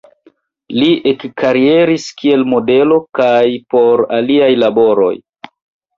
Li ekkarieris kiel modelo kaj por aliaj laboroj.